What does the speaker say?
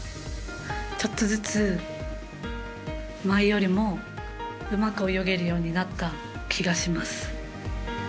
ちょっとずつ前よりもうまく泳げるようになった気がします。